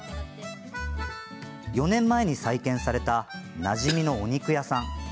４年前に再建されたなじみのお肉屋さん。